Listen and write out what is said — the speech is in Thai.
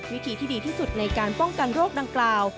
วิธีที่ดีที่สุดในการป้องกันโรคดังกล่าว